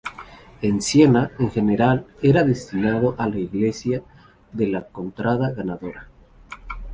En Siena, en general, era destinado a la iglesia de la contrada ganadora.